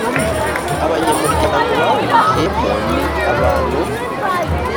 abanyamuryango bawinjiyemo ni abantu